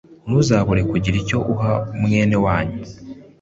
ntuzabure kugira icyo uha mwene wanyu.